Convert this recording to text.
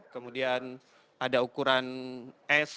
kemudian ada ukuran s